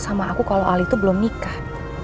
sama aku kalau ali itu belum nikah